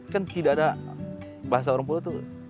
kan tidak ada bahasa orang pulau itu